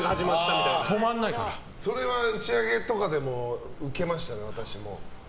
それは打ち上げとかでも私は受けましたね。